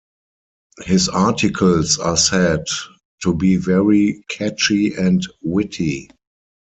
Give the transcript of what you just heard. His articles are said to be very catchy and witty.